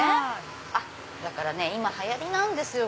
だからね今流行りなんですよ